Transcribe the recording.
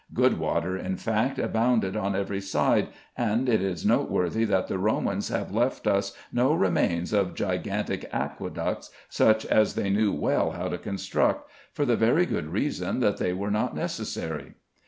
Good water, in fact, abounded on every side, and it is noteworthy that the Romans have left us no remains of gigantic aqueducts, such as they knew well how to construct; for the very good reason that they were not necessary.